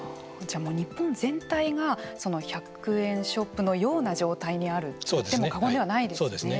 日本全体が１００円ショップのような状態にあるといっても過言ではないですね。